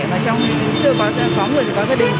và trong những khi có người thì có gia đình